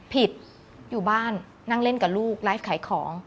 อยู่บ้านนั่งเล่นกับลูกไลฟ์ขายของ